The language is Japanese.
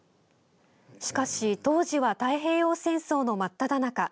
しかし、当時は太平洋戦争の真っただ中。